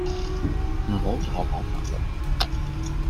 唔好同我講法律